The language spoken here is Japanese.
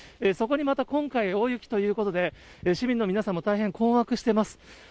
そこにまた今回、大雪ということで、市民の皆さんも大変困惑しています。